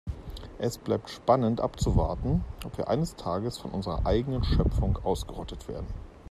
Es bleibt spannend abzuwarten, ob wir eines Tages von unserer eigenen Schöpfung ausgerottet werden.